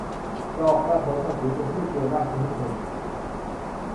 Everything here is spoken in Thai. ดอกกระโถนฤๅษี เป็นพืชเบียนรากชนิดหนึ่ง